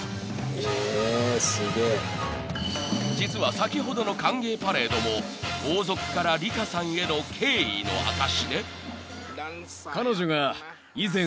［実は先ほどの歓迎パレードも王族から里香さんへの敬意の証しで］